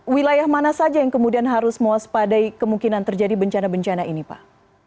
wilayah mana saja yang kemudian harus mewaspadai kemungkinan terjadi bencana bencana ini pak